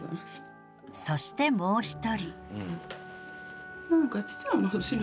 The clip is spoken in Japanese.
そしてもう一人。